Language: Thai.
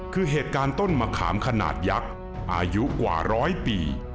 คือเหตุการณ์ต้นมะขามขนาดยักษ์อายุกว่าร้อยปี